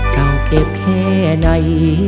เอาเก็บแค่ใน